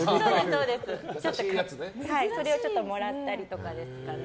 それをちょっともらったりとかですね。